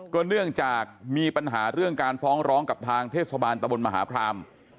เนื่องจากมีปัญหาเรื่องการฟ้องร้องกับทางเทศบาลตะบนมหาพราม